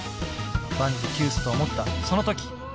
万事休すと思ったその時。